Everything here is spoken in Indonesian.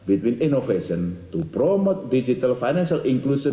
antara inovasi untuk mempromosi inklusi finansial digital